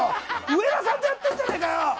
上田さんとやってるじゃねえかよ。